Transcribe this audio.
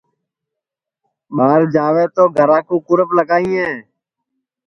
ٻار جاوے تو گھرا کُو کُرپ لگائیں